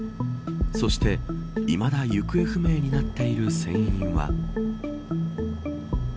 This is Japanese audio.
そして、いまだ行方不明になっている船員は。